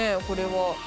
これは。